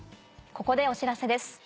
ここでお知らせです。